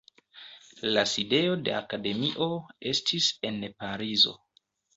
La sidejo de akademio estis en Parizo.